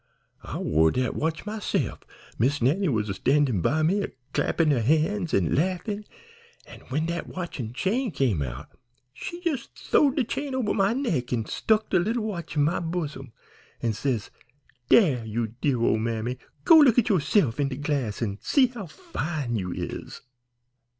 I wore dat watch myse'f; Miss Nannie was standin' by me, a clappin' her han's an' laughin', an' when dat watch an' chain came out she jes' th'owed de chain over my neck an' stuck de leetle watch in my bosom, an' says, 'Dere, you dear ole mammy, go look at you'se'f in de glass an' see how fine you is.'